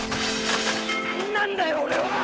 何なんだよ俺は！